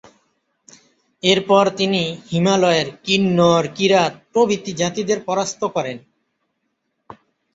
এরপর তিনি হিমালয়ের কিন্নর, কিরাত প্রভৃতি জাতিদের পরাস্ত করেন।